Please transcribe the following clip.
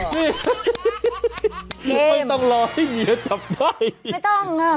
ไม่ต้องรอไรวะจับได้